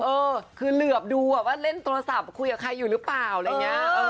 เออคือเหลือบดูว่าเล่นโทรศัพท์คุยกับใครอยู่หรือเปล่าอะไรอย่างนี้